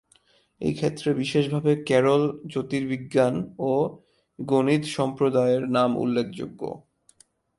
এই ক্ষেত্রে বিশেষভাবে কেরল জ্যোতির্বিজ্ঞান ও গণিত সম্প্রদায়ের নাম উল্লেখযোগ্য।